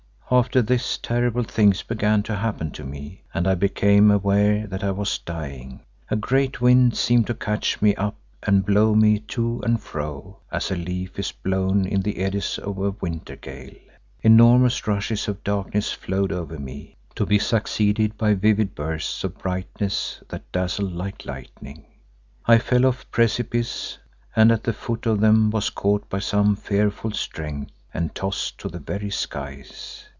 After this terrible things began to happen to me and I became aware that I was dying. A great wind seemed to catch me up and blow me to and fro, as a leaf is blown in the eddies of a winter gale. Enormous rushes of darkness flowed over me, to be succeeded by vivid bursts of brightness that dazzled like lightning. I fell off precipices and at the foot of them was caught by some fearful strength and tossed to the very skies.